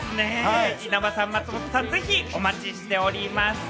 稲葉さん、松本さん、ぜひお待ちしております。